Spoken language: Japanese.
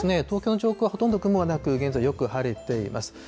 東京の上空はほとんど雲がなく、現在よく晴れています。